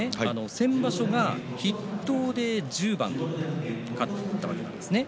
先場所は筆頭で１０番勝っているんですね。